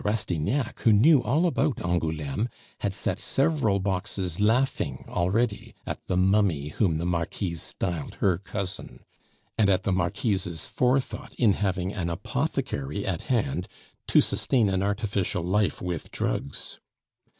M. de Rastignac, who knew all about Angouleme, had set several boxes laughing already at the mummy whom the Marquise styled her cousin, and at the Marquise's forethought in having an apothecary at hand to sustain an artificial life with drugs.